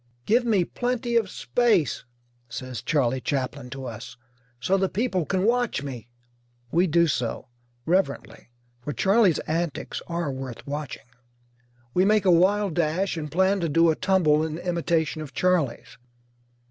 "Give me plenty of space," says Charley Chaplin to us, "so the people can watch me." We do so, reverently, for Charley's antics are worth watching. We make a wild dash, and plan to do a tumble in imitation of Charley's.